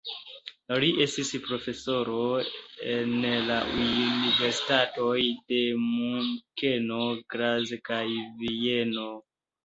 Li estis profesoro en la universitatoj de Munkeno, Graz kaj Vieno.